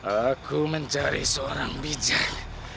aku mencari seorang bijak